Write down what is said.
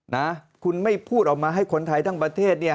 นะคุณไม่พูดออกมาให้คนไทยทั้งประเทศเนี่ย